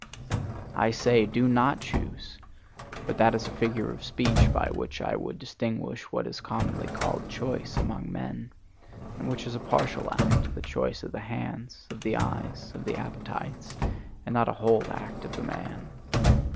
I say, do not choose; but that is a figure of speech by which I would distinguish what is commonly called choice among men, and which is a partial act, the choice of the hands, of the eyes, of the appetites, and not a whole act of the man.